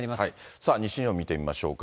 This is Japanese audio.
さあ、西日本見てみましょうか。